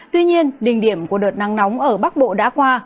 tuy nhiên đỉnh điểm của đợt nắng nóng ở bắc bộ đã qua